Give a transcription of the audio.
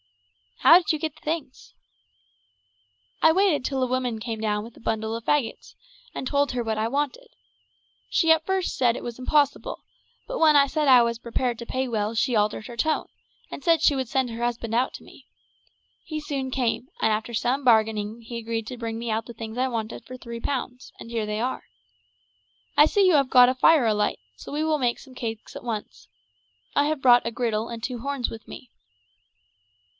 "How did you get the things?" "I waited till a woman came down with a bundle of faggots, and told her what I wanted. She said at first it was impossible; but when I said I was prepared to pay well she altered her tone, and said she would send her husband out to me. He soon came, and after some bargaining he agreed to bring me out the things I wanted for three pounds, and here they are. I see you have got a fire alight, so we will make some cakes at once. I have brought a griddle and two horns with me."